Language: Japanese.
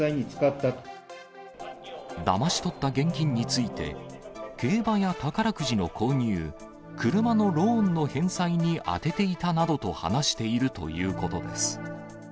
だまし取った現金について、競馬や宝くじの購入、車のローンの返済に充てていたなどと話しているということです。